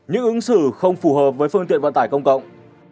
những ứng xử không phù hợp với phương tiện vận tải công cộng